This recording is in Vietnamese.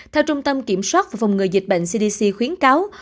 theo trung tâm kiểm soát phòng ngừa dịch bệnh cdc khuyến cáo